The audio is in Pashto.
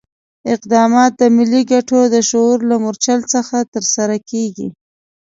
اقدامات د ملي ګټو د شعور له مورچل څخه ترسره کېږي.